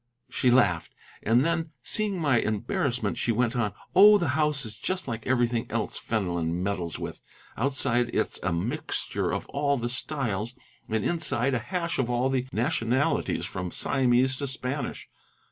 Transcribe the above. she laughed; and then, seeing my embarrassment, she went on: "Oh, the house is just like everything else Fenelon meddles with. Outside it's a mixture of all the styles, and inside a hash of all the nationalities from Siamese to Spanish.